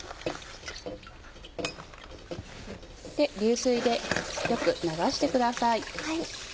流水でよく流してください。